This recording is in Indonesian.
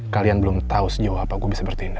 kalian belum tahu sejauh apa gue bisa bertindak